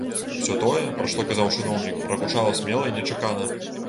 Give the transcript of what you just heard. Усё тое, пра што казаў чыноўнік, прагучала смела і нечакана.